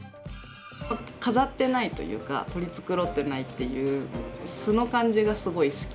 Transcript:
飾ってないというか取り繕ってないっていう素の感じがすごい好きで。